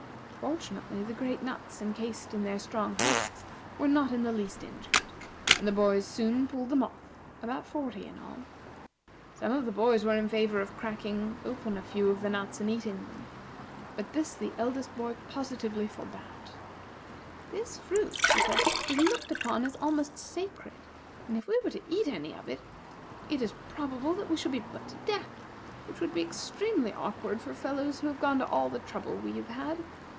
Fortunately the great nuts incased in their strong husks were not in the least injured, and the boys soon pulled them off, about forty in all. Some of the boys were in favor of cracking open a few of the nuts and eating them, but this the eldest boy positively forbade. "This fruit," he said, "is looked upon as almost sacred, and if we were to eat any of it, it is probable that we should be put to death, which would be extremely awkward for fellows who have gone to all the trouble we have had.